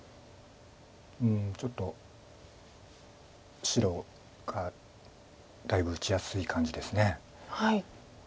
うんちょっと白がだいぶ打ちやすい感じです。